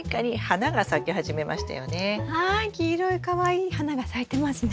黄色いかわいい花が咲いてますね。